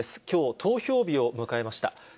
きょう、投票日を迎えました。